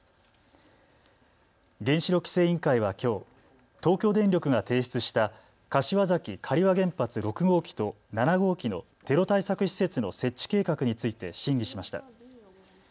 原子力規制委員会はきょう、東京電力が提出した柏崎刈羽原発６号機と７号機のテロ対策施設の設置計画について審議しました。